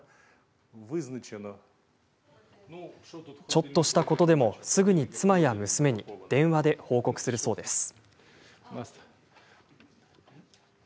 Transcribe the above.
ちょっとしたことでも、すぐに妻や娘に電話で報告するそうです。